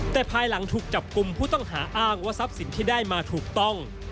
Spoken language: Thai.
แต่ภายหลังถูกจับกลุ่มผู้ต้องหาอ้างว่าทรัพย์สินที่ได้มาถูกต้อง